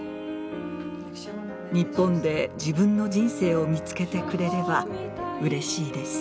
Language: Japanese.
日本で自分の人生を見つけてくれればうれしいです。